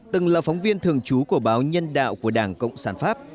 từng là phóng viên thường trú của báo nhân đạo của đảng cộng sản pháp